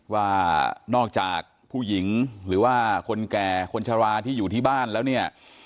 ว่านอกจากผู้หญิงหรือว่าคนแก่คนชะลาที่อยู่ที่บ้านแล้วเนี่ย